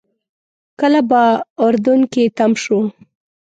کله به اردن کې تم شو.